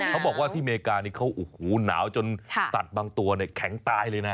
เขาบอกว่าที่อเมริกานี่เขาโอ้โหหนาวจนสัตว์บางตัวเนี่ยแข็งตายเลยนะ